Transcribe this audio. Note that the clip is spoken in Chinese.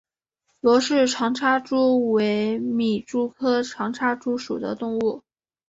罗氏长插蛛为皿蛛科长插蛛属的动物。